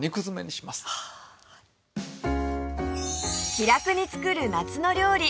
「気楽につくる夏の料理」